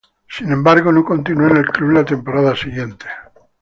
Sin embargo, no continuó en el club la temporada siguiente.